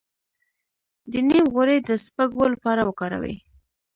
د نیم غوړي د سپږو لپاره وکاروئ